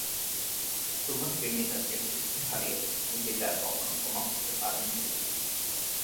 তোমার প্রেমিকাকে যুদ্ধে হারিয়ে নিজেকে আর কখনো ক্ষমা করতে পারোনি বলে?